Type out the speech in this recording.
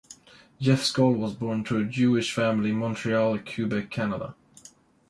Jeff Skoll was born to a Jewish family in Montreal, Quebec, Canada.